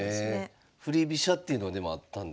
振り飛車っていうのはでもあったんですね。